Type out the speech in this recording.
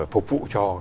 phục vụ cho